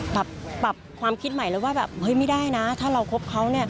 ปรับความคิดใหม่เลยว่าไม่ได้นะถ้าเราคบเขา